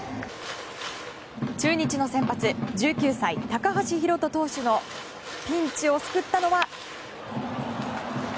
中日の先発１９歳、高橋宏斗投手のピンチを救ったのは。